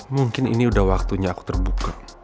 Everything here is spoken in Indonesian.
mungkin ini udah waktunya aku terbuka